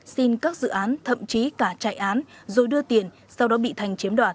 xin các dự án thậm chí cả chạy án rồi đưa tiền sau đó bị thanh chiếm đoạt